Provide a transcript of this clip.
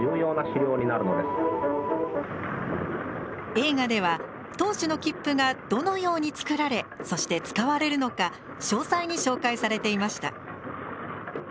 映画では当時の切符がどのように作られそして使われるのか詳細に紹介されていました。